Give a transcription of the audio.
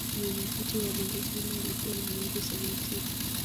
Mwenyekiti wa bunge hilo alikuwa ni hayati Samuel Sitta